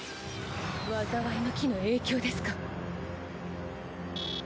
災いの樹の影響ですか。